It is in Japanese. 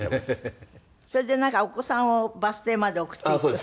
それでなんかお子さんをバス停まで送っていく？